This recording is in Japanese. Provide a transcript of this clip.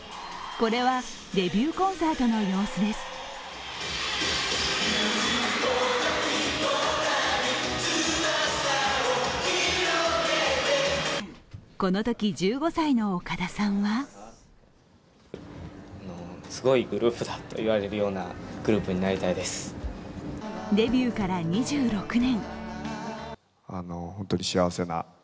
このとき１５歳の岡田さんはデビューから２６年。